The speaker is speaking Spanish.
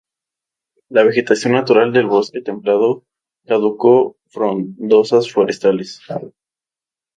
La vegetación natural del bosque templado caduco frondosas forestales.